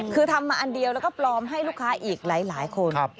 คือทำมาอันเดียวแล้วก็ปลอมให้ลูกค้าอีกหลายคน